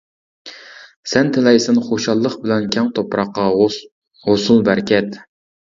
سەن تىلەيسەن خۇشاللىق بىلەن كەڭ تۇپراققا ھوسۇل بەرىكەت.